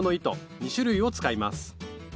２種類を使います。